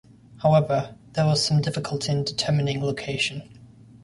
However, there was some difficulty in determining location.